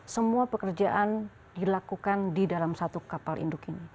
semua pekerjaan dilakukan di dalam satu kapal induk ini